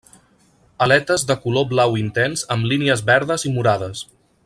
Aletes de color blau intens amb línies verdes i morades.